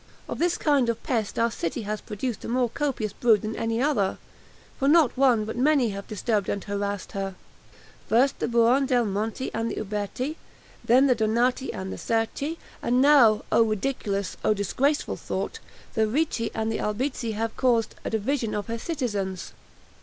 Of this kind of pest our city has produced a more copious brood than any other; for not one but many have disturbed and harassed her: first the Buondelmonti and the Uberti; then the Donati and the Cerchi; and now, oh ridiculous! oh disgraceful thought! the Ricci and the Albizzi have caused a division of her citizens.